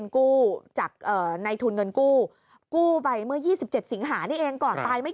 กู้จากในทุนเงินกู้กู้ไปเมื่อ๒๗สิงหานี่เองก่อนตายไม่